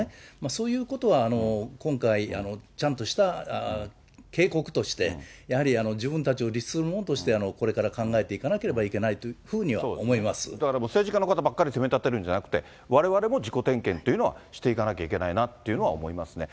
そういうことは今回、ちゃんとした警告として、やはり自分たちを律するものとして、これから考えていかなければだから、政治家の方ばっかり責めたてるんじゃなくて、われわれも自己点検というのはしていかなきゃいけないなというのは思いますね。